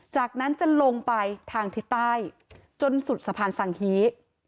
จากนั้นจะลงไปทางทิศใต้จนสุดสะพานสังฮี